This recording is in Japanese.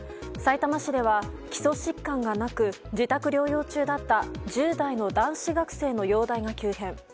さいたま市では基礎疾患がなく自宅療養中だった１０代の男子学生の容体が急変。